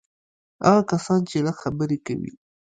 هغه کسان چې لږ خبرې کوي.